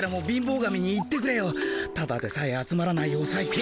ただでさえ集まらないおさいせん。